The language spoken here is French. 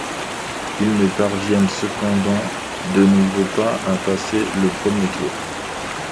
Ils ne parviennent, cependant, de nouveau pas à passer le premier tour.